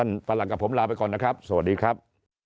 ฝรั่งกับผมลาไปก่อนนะครับสวัสดีครับ